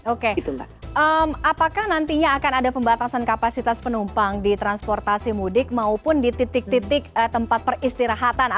oke apakah nantinya akan ada pembatasan kapasitas penumpang di transportasi mudik maupun di titik titik tempat peristirahatan